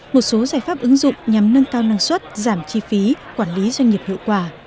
một số giải pháp ứng dụng nhằm nâng cao năng suất giảm chi phí quản lý doanh nghiệp hiệu quả